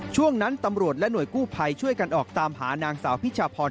ช่วงนั้นตำรวจและหน่วยกู้ภัยช่วยกันออกตามหานางสาวพิชาพร